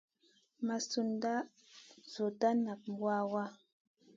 Ma sud nda nzolda nak waʼha.